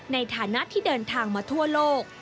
ในฐานะที่เดินทางมาทั่วโลก